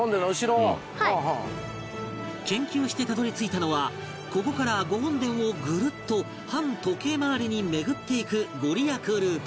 研究してたどり着いたのはここから御本殿をぐるっと反時計回りに巡っていくご利益ルート